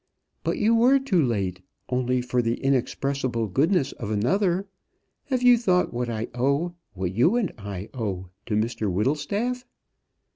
"But you were too late, only for the inexpressible goodness of another. Have you thought what I owe what you and I owe to Mr Whittlestaff?"